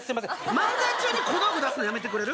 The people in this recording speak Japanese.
漫才中に小道具出すのやめてくれる？